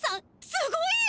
すごいよ！